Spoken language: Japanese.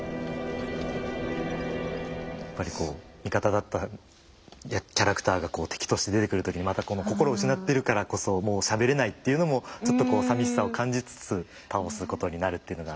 やっぱりこう味方だったキャラクターが敵として出てくる時にまたこの心を失ってるからこそもうしゃべれないというのもちょっとさみしさを感じつつ倒すことになるというのが。